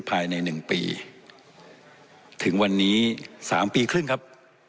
ภายในหนึ่งปีถึงวันนี้สามปีครึ่งครับ